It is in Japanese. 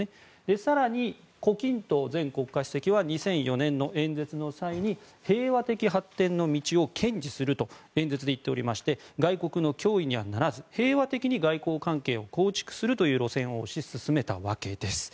更に、胡錦涛前国家主席は２００４年の演説の際平和的発展の道を堅持すると演説で言っており外国の脅威にはならず、平和的に外交関係を構築するという路線を推し進めたわです。